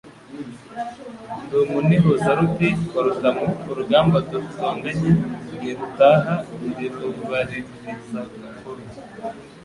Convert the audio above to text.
Ndi umunihuzaruti wa Rutamu urugamba dutonganye ntirutaha, Ndi rubalirizakobe.